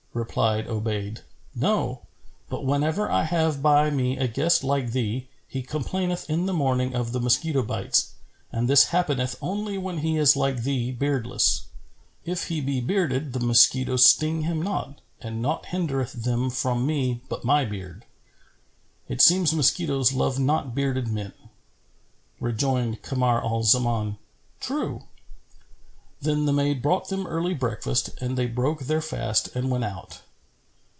Replied Obayd, "No! But whenever I have by me a guest like thee, he complaineth in the morning of the mosquito bites, and this happeneth only when he is like thee beardless. If he be bearded the mosquitoes sting him not, and naught hindereth them from me but my beard. It seems mosquitoes love not bearded men."[FN#413] Rejoined Kamar al Zaman, "True." Then the maid brought them early breakfast and they broke their fast and went out.